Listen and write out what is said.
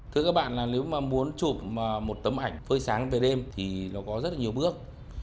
thưa các bạn là nếu mà muốn chụp một tấm ảnh phơi sáng về đêm thì nó có rất là nhiều bước